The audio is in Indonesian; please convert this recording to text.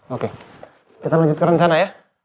oke kita lanjut ke rencana ya